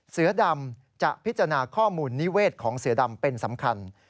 เสือดำจะพิจารณาข้อมูลนิเวศของเสือดำเป็นสำคัญ